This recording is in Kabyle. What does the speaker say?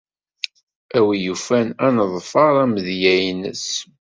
A win yufan ad neḍfer amedya-nnes.